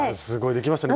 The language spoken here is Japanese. できましたね